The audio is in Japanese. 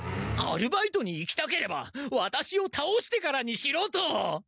アルバイトに行きたければワタシを倒してからにしろと。